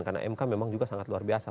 karena imk memang juga sangat luar biasa